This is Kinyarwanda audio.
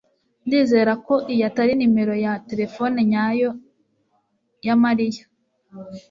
Ndizera ko iyo atari nimero ya terefone nyayo ya Mariya